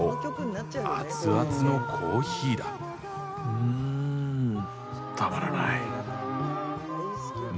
うーん、たまらない。